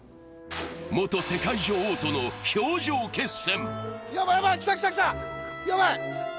元世界女王との氷上決戦。